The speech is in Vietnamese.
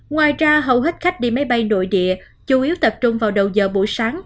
ngoài ra hầu hết khách đi máy bay nội địa chủ yếu tập trung vào đầu giờ buổi sáng